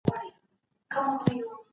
ما پرون ليکنه وکړه.